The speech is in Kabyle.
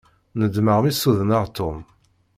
Nedmeɣ mi ssudneɣ Tom.